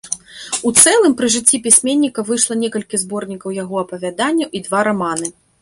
У цэлым пры жыцці пісьменніка выйшла некалькі зборнікаў яго апавяданняў і два раманы.